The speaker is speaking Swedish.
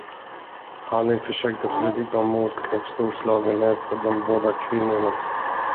Halling försökte predika mod och storslagenhet för de båda kvinnorna.